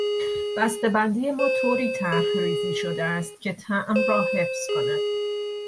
بستهبندی ما طوری طرحریزی شده است که طعم را حفظ کند.